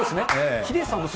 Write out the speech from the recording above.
ヒデさん